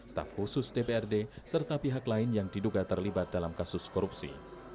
staf khusus dprd serta pihak lain yang diduga terlibat dalam kasus korupsi